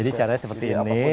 jadi caranya seperti ini